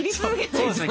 そうですね。